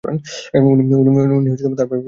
উনি তার ব্যাপারে খোঁজ নেন।